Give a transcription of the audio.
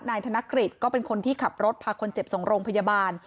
ธนกฤษก็เป็นคนที่ขับรถพาคนเจ็บส่งโรงพยาบาล